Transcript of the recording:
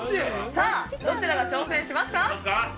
どちらが挑戦しますか。